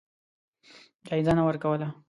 اجازه نه ورکوله.